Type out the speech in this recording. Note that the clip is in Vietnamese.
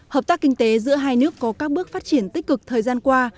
hợp tác kinh tế giữa hai nước có các bước phát triển tích cực thời gian qua